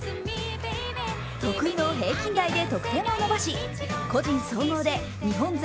得意の平均台で得点を伸ばし個人総合で日本勢